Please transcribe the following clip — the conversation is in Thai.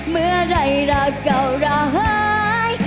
เมื่อไหร่รักเก่าระเฮ้ย